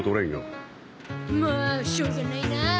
もうしょうがないなあ。